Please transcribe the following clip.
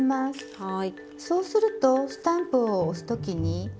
はい。